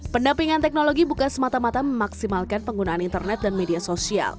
pendampingan teknologi bukan semata mata memaksimalkan penggunaan internet dan media sosial